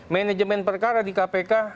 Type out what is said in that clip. manajemen perkara di kpk